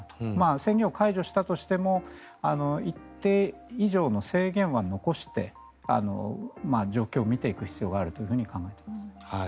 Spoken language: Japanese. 宣言を解除したとしても一定以上の制限は残して状況を見ていく必要があると考えています。